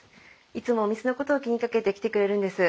いつもお店のことを気にかけて来てくれるんです。